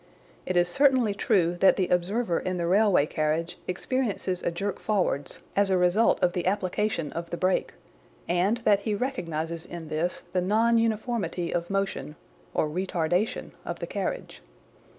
It is certainly true that the observer in the railway carriage experiences a jerk forwards as a result of the application of the brake, and that he recognises, in this the non uniformity of motion (retardation) of the carriage.